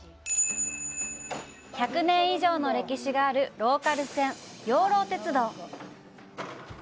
１００年以上の歴史があるローカル線「養老鉄道」。